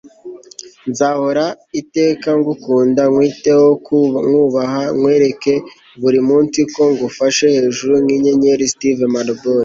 nzahoraho iteka ngukunda, nkwiteho, nkubaha, nkwereke buri munsi ko ngufashe hejuru nk'inyenyeri. - steve maraboli